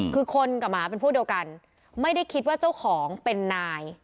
คือคนกับหมาเป็นพวกเดียวกันไม่ได้คิดว่าเจ้าของเป็นนาย